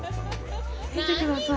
見てください。